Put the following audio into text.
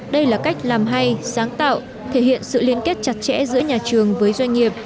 đây là cách làm hay sáng tạo thể hiện sự liên kết chặt chẽ giữa nhà trường với doanh nghiệp